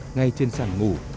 ngay trên sàn ngủ